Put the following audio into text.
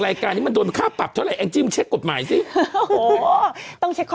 รายการนี้มันโดนค่าปรับเท่าไหแองจิ้มเช็คกฎหมายสิโอ้โหต้องเช็คข้อ